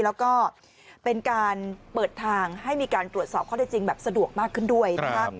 แล้วก็เป็นการเปิดทางให้มีการตรวจสอบข้อได้จริงแบบสะดวกมากขึ้นด้วยนะคะ